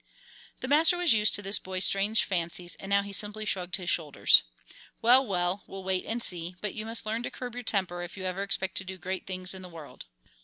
The master was used to this boy's strange fancies, and now he simply shrugged his shoulders. "Well, well, we'll wait and see, but you must learn to curb your temper if you ever expect to do great things in the world."